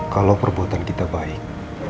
kalau perbuatan kita baik